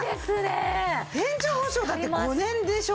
延長保証だって５年でしょ？